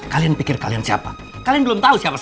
kalian pikir kalian siapa kalian belum tau siapa saya